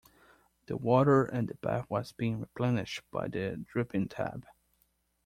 The water in the bath was being replenished by the dripping tap.